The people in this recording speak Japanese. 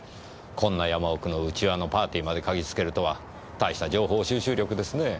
こんな山奥の内輪のパーティーまで嗅ぎつけるとはたいした情報収集力ですねぇ。